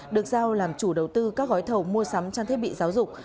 được giao làm chủ đầu tư các gói thầu mua sắm trang thiết bị giáo dục